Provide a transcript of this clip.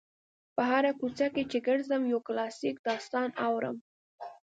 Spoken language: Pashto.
په هره کوڅه کې چې ګرځم یو کلاسیک داستان اورم.